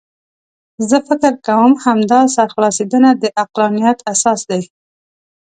زه فکر کوم همدا سرخلاصېدنه د عقلانیت اساس دی.